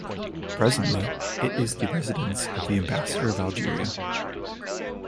Presently it is the residence of the ambassador of Algeria.